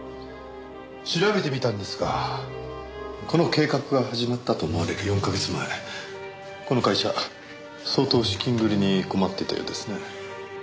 調べてみたんですがこの計画が始まったと思われる４カ月前この会社相当資金繰りに困っていたようですね。